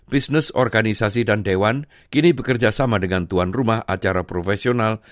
bisnis organisasi dan dewan kini bekerja sama dengan tuan rumah acara profesional